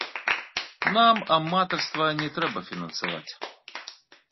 Нам аматарства не трэба фінансаваць.